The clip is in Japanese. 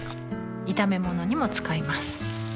炒め物にも使います